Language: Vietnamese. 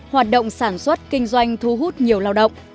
hoạt động sản xuất kinh doanh thu hút nhiều lao động